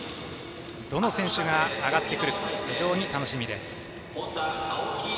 どの選手が上がってくるか非常に楽しみです。